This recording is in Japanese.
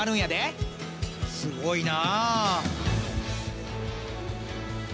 すごいな。